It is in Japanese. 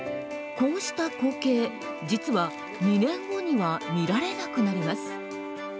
こうした光景実は２年後には見られなくなります。